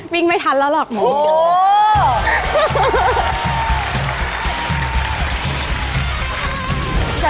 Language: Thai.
วิ่งไม่ทันล่ะล่ะ